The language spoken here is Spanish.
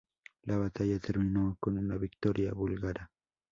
La batalla terminó con una victoria búlgara.